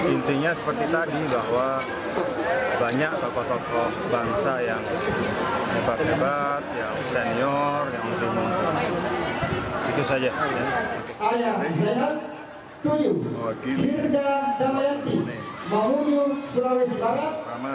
intinya seperti tadi bahwa banyak tokoh tokoh bangsa yang hebat hebat yang senior yang lebih mumpuni